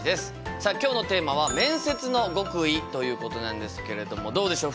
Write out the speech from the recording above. さあ今日のテーマは「面接の極意」ということなんですけれどもどうでしょう？